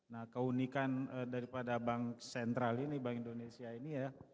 nah keunikan daripada bank sentral ini bank indonesia ini ya